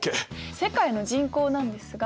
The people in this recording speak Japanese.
世界の人口なんですが。